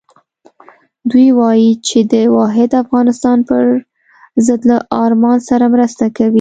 دوی وایي چې د واحد افغانستان پر ضد له ارمان سره مرسته کوي.